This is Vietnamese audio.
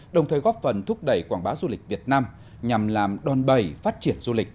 đồng thời góp phần thúc đẩy quảng bá du lịch việt nam nhằm làm đòn bầy phát triển du lịch